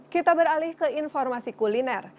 kita beralih ke informasi kuliner